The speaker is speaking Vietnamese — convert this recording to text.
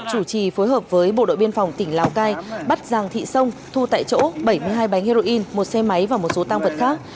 chủ trì phối hợp với bộ đội biên phòng tỉnh lào cai bắt giàng thị sông thu tại chỗ bảy mươi hai bánh heroin một xe máy và một số tăng vật khác